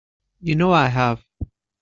You know I have.